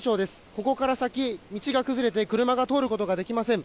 ここから先、道が崩れて車が通ることができません。